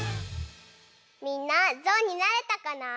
みんなぞうになれたかな？